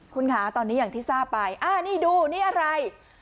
คุณคะตอนนี้อย่างที่ทราบไปนี่ดูนี่อะไร